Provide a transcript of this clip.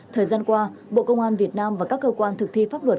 thời gian qua bộ công an việt nam và các cơ quan thực thi pháp luật